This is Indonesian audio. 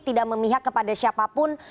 tidak memihak kepada siapapun